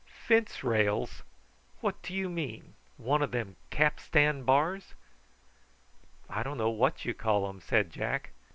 "Fence rails! What do you mean one of them capstan bars?" "I don't know what you call 'em," said Jack.